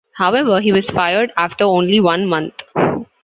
However, he was fired after only one month.